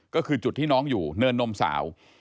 ก็คือจุดที่น้องอยู่เนินนมสาว